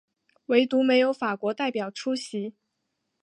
惟独没有法国代表出席。